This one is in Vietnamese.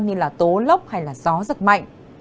như tố lốc hay gió rất mạnh